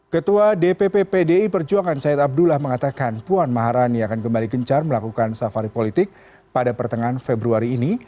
ketua dpp pdi perjuangan said abdullah mengatakan puan maharani akan kembali gencar melakukan safari politik pada pertengahan februari ini